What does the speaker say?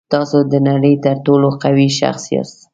تاسو د نړۍ تر ټولو قوي شخص یاست.